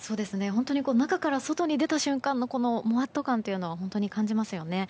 本当に中から外に出た瞬間のもわっと感というのは本当に感じますよね。